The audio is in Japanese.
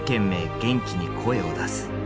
元気に声を出す」。